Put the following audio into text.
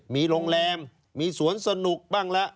มีโรงแรมมีสวนสนุกบ้างละ